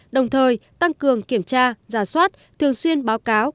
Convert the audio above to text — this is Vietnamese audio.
đồng thời tăng cường kiểm tra giả soát thường xuyên báo cáo